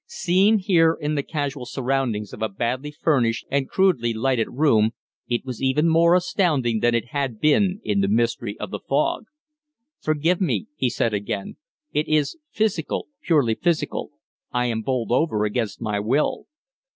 Seen here, in the casual surroundings of a badly furnished and crudely lighted room, it was even more astounding than it had been in the mystery of the fog. "Forgive me," he said again. "It is physical purely physical. I am bowled over against my will."